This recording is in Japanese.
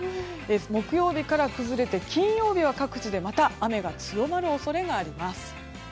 木曜日から崩れて金曜日は各地で雨が強まる恐れがあります。